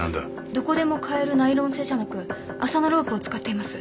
どこでも買えるナイロン製じゃなく麻のロープを使っています。